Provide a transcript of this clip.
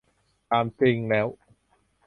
ตามจริงแล้ว